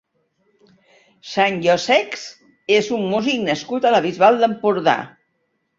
Sanjosex és un músic nascut a la Bisbal d'Empordà.